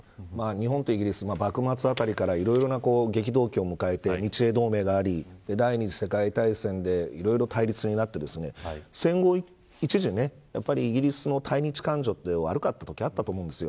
日本とイギリスは幕末あたりからいろいろな激動期を迎えて日英同盟があり第２次世界大戦でいろいろ対立があって戦後一時、イギリスの対日感情は悪かったときあると思うんです。